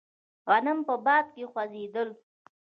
غنم په باد کې خوځېدل.